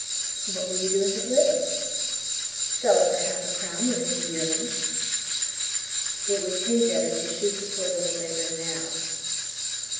"What will you do with it if it lives?" "Sell it for half a crown when it's a yearling." "It would pay better to shoot the poor little beggar now."